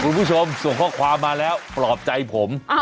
คุณผู้ชมส่งข้อความมาแล้วปลอบใจผม